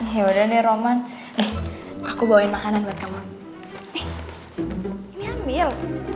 yaudah deh roman nih aku bawain makanan buat kamu nih ini ambil